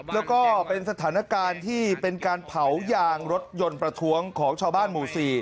แล้วก็เป็นสถานการณ์ที่เป็นการเผายางรถยนต์ประท้วงของชาวบ้านหมู่๔